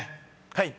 はい。